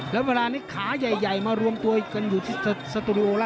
แล้วเวลานี้ขาใหญ่มารวมตัวกันอยู่ที่สตูดิโอแล้ว